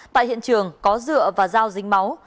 tại hiện trường có rượu và dao dính máu